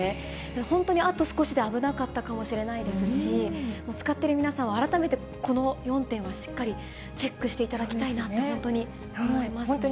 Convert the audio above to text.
本当にあと少しで危なかったかもしれないですし、使っている皆さんは、改めてこの４点はしっかりチェックしていただきたいなって、本当に思いますね。